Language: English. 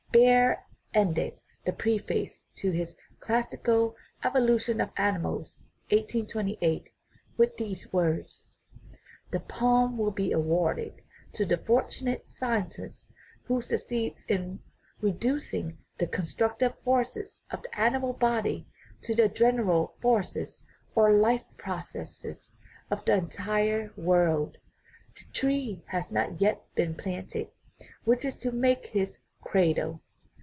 Baer ended the preface to his classical Evolution of Animals (1828) with these words :" The palm will be awarded to the fortunate scientist who succeeds in re ducing the constructive forces of the animal body to the general forces or life processes of the entire world. The tree has not yet been planted which is to make his cradle."